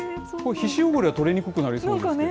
皮脂汚れは取れにくくなりそうですけど。